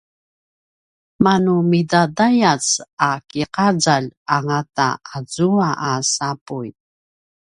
manu midadayac a ki’azalj angata azua a sapuy